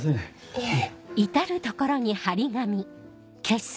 いえ。